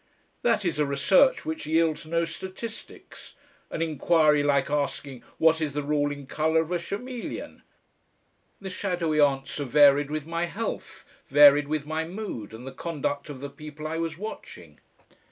That is a research which yields no statistics, an enquiry like asking what is the ruling colour of a chameleon. The shadowy answer varied with my health, varied with my mood and the conduct of the people I was watching.